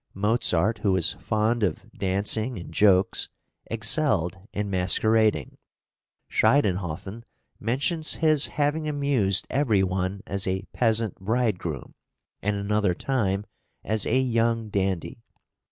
Mozart, who was fond of dancing and jokes, excelled in masquerading; Schiedenhofen mentions his having amused every one as a peasant bridegroom, and another time as a young dandy.